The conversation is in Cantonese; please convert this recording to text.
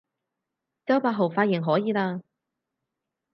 周柏豪髮型可以喇